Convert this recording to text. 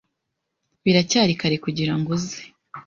Biracyari kare kugirango uze.